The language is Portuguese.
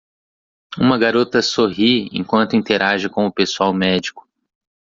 Uma garota sorri enquanto interage com o pessoal médico